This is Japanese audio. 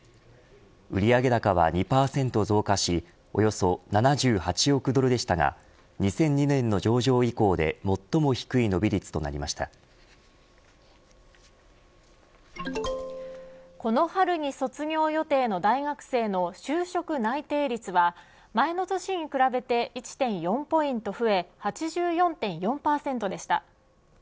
売上高は２％増加しおよそ７８億ドルでしたが２００２年の上場以降でこの春に卒業予定の大学生の就職内定率は前の年に比べて１．４ポイント増え８４．４％でした。